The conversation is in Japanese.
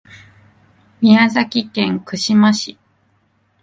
宮崎県串間市